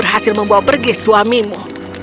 kau pergi suamimu